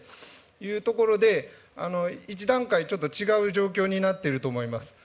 いうところで、一段階ちょっと違う状況になっていると思います。